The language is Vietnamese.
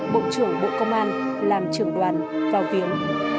bộ trưởng bộ công an làm trưởng đoàn vào viếng